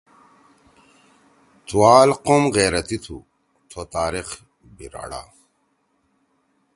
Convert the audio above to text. تُوال قوم غیرتی تُھو، تھو تاریخ بھیراڑا